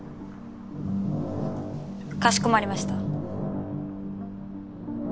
かしこまりました。